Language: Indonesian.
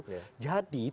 jadi tujuan utama itu